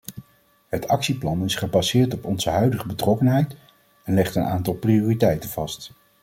Het actieplan is gebaseerd op onze huidige betrokkenheid en legt een aantal prioriteiten vast.